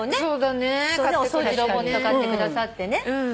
お掃除ロボット買ってくださってね。